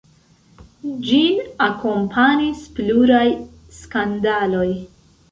Ĝin akompanis pluraj skandaloj.